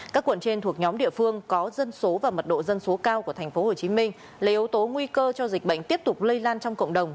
các quận trên thuộc nhóm địa phương có dân số và mật độ dân số cao của tp hcm là yếu tố nguy cơ cho dịch bệnh tiếp tục lây lan trong cộng đồng